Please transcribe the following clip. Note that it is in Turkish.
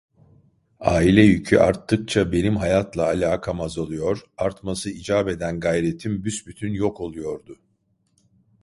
Aile yükü arttıkça benim hayatla alakam azalıyor, artması icap eden gayretim büsbütün yok oluyordu.